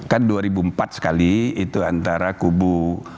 kan dua ribu empat sekali itu antara kubu